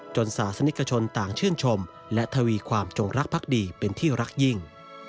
ศาสนิกชนต่างชื่นชมและทวีความจงรักภักดีเป็นที่รักยิ่ง